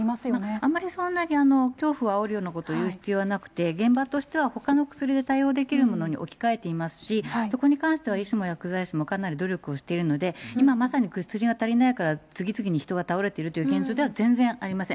あんまりそんなに恐怖をあおるようなことを言う必要はなくて、現場としてはほかの薬で対応できるものに置き換えていますし、そこに関しては医師も薬剤師もかなり努力をしているので、今まさに薬が足りないから次々に人が倒れているという現状では全然ありません。